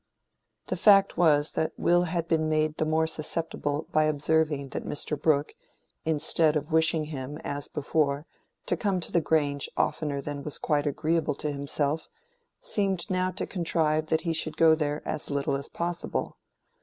The fact was that Will had been made the more susceptible by observing that Mr. Brooke, instead of wishing him, as before, to come to the Grange oftener than was quite agreeable to himself, seemed now to contrive that he should go there as little as possible.